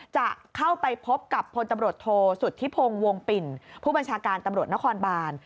จะเข้าไปพบกับพลตำรวจโทษสุธิพงศ์วงปิ่นผู้บัญชาการตำรวจนครบาน